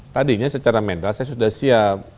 tadinya secara mental saya sudah siap